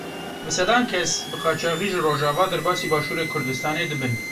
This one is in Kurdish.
Bi sedan kes bi qaçaxî ji Rojava derbasî Başûrê Kurdistanê dibin.